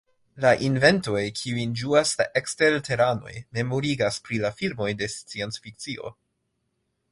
La inventoj kiujn ĝuas la eksterteranoj memorigas pri la filmoj de scienc-fikcio.